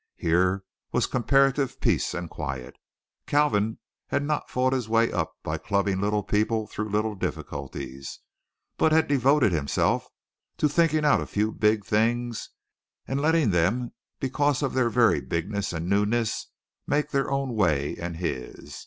Here was comparative peace and quiet. Kalvin had not fought his way up by clubbing little people through little difficulties, but had devoted himself to thinking out a few big things, and letting them because of their very bigness and newness make their own way and his.